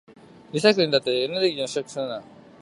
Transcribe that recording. リサイクルにだってエネルギーを消費するんだよ。